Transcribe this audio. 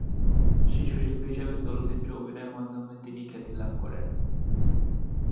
শিশুশিল্পী হিসেবে চলচ্চিত্রে অভিনয়ের মাধ্যমে তিনি খ্যাতি লাভ করেন।